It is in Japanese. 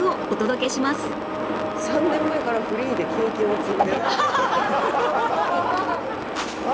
３年前からフリーで経験を積んでおく。